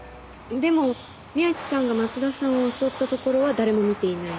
でも宮地さんが松田さんを襲ったところは誰も見ていない。